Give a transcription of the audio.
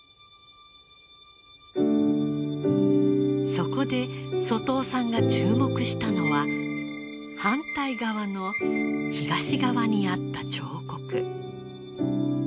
そこで外尾さんが注目したのは反対側の東側にあった彫刻。